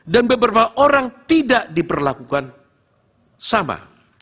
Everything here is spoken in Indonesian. dan beberapa orang tidak diperlakukan sama